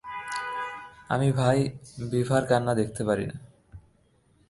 আমি ভাই, বিভার কান্না দেখিতে পারি না।